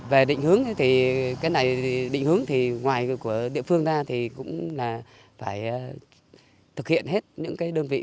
về định hướng thì cái này định hướng thì ngoài của địa phương ra thì cũng là phải thực hiện hết những cái đơn vị